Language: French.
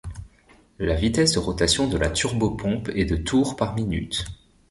La vitesse de rotation de la turbopompe est de tours par minute.